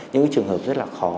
những trường hợp rất là khó